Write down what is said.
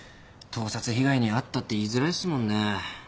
盗撮被害に遭ったって言いづらいっすもんね。